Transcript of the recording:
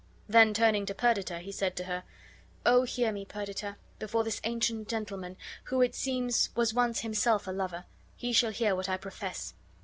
Then turning to Perdita, he said to her, "Oh, hear me, Perdita, before this ancient gentleman, who it seems was once himself a lover; he shall hear what I profess."